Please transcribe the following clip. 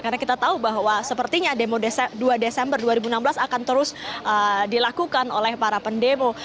karena kita tahu bahwa sepertinya demo dua desember dua ribu enam belas akan terus dilakukan oleh para pendemo